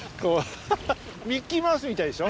ミッキーマウスみたいでしょ。